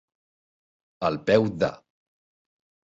Al peu de.